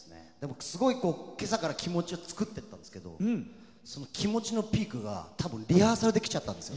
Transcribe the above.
今朝から気持ちを作ってたんですけど気持ちのピークがリハーサルできちゃったんですよ。